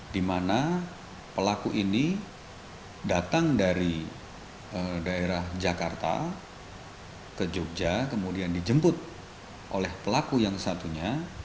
di mana pelaku ini datang dari daerah jakarta ke jogja kemudian dijemput oleh pelaku yang satunya